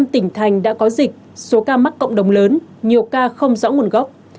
năm tỉnh thành đã có dịch số ca mắc cộng đồng lớn nhiều ca không rõ nguồn gốc